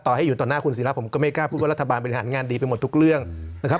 ให้อยู่ต่อหน้าคุณศิราผมก็ไม่กล้าพูดว่ารัฐบาลบริหารงานดีไปหมดทุกเรื่องนะครับ